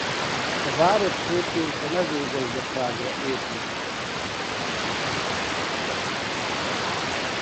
A város főként a mezőgazdaságra épít.